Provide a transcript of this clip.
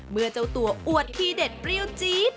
เมื่อเจ้าตัวอวดทีเด็ดเปรี้ยวจี๊ด